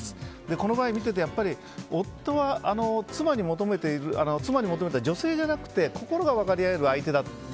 この場合、見てて夫は妻に求めているのは女性じゃなくて心が分かり合える相手だと。